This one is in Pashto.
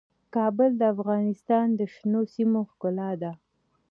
کابل د افغانستان د شنو سیمو ښکلا ده.